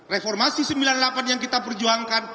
reformasi sembilan puluh delapan yang kita perjuangkan